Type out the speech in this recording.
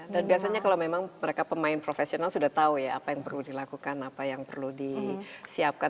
dan biasanya kalau memang mereka pemain profesional sudah tahu ya apa yang perlu dilakukan apa yang perlu disiapkan